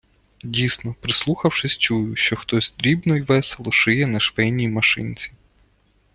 Дійсно, прислухавшись, чую, що хтось дрібно й весело шиє на швейній машинці.